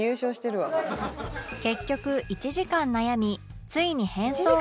結局１時間悩みついに変装が決定